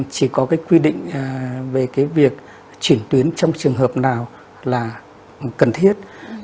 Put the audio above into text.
chỉ có quy định về việc chuyển tuyến trong trường hợp nào là cần thiết